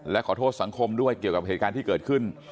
และขอโทษสังคมด้วยเกี่ยวกับเหตุการณ์ที่เกิดขึ้น